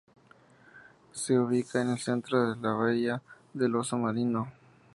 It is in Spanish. Se ubica en el centro de la bahía del Oso Marino.